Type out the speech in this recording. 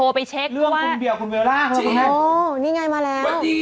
ไปเช็คว่าคุณเวลล่าคุณแม่โอ้นี่ไงมาแล้วสวัสดี